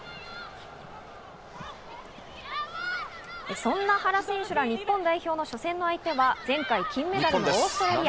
そんな原選手ら日本代表の初戦の相手は前回、金メダルのオーストラリア。